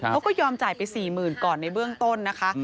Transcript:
เขาก็ยอมจ่ายไป๔๐๐๐ก่อนในเบื้องต้นนะคะ